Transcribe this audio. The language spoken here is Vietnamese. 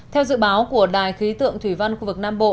theo dự báo của đài khí tượng thủy văn khu vực nam bộ